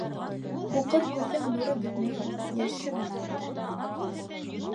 — Һуҡыр күҙҙең нуры бөтмәй ул, йәше бына бөтә.